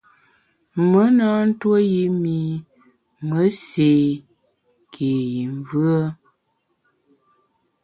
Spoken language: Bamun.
Me na ntuo yi mi me séé ké yi mvùe.